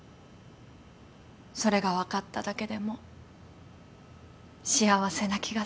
それが分かっただけでも幸せな気がする。